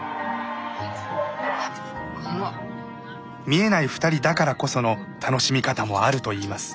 見えない２人だからこその楽しみ方もあるといいます。